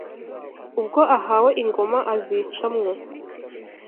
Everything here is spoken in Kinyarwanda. Ubwo ahawe ingoma azica mwo